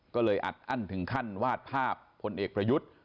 ก็เลยอัดอั้นถึงขั้นวาดภาพพลเอกประยุทธ์